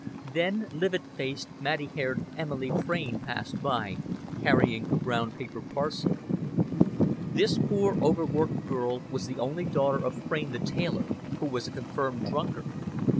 Then livid faced, matty haired Emily Frayne passed by, carrying a brown paper parcel. This poor overworked girl was the only daughter of Frayne the tailor, who was a confirmed drunkard.